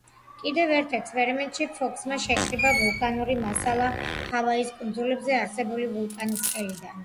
კიდევ ერთ ექსპერიმენტში ფოქსმა შეკრიბა ვულკანური მასალა ჰავაის კუნძულებზე არსებული ვულკანის ყელიდან.